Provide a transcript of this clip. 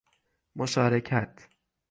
مشارکت